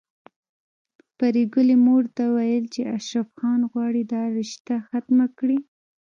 پري ګلې مور ته ويل چې اشرف خان غواړي دا رشته ختمه کړي